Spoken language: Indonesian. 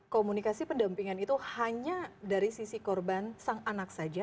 komunikasi pendampingan itu hanya dari sisi korban sang anak saja